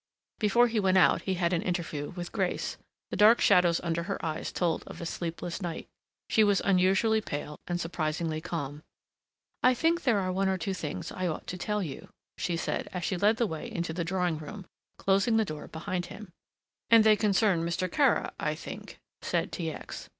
Before he went out he had an interview with Grace. The dark shadows under her eyes told of a sleepless night. She was unusually pale and surprisingly calm. "I think there are one or two things I ought to tell you," she said, as she led the way into the drawing room, closing the door behind him. "And they concern Mr. Kara, I think," said T. X.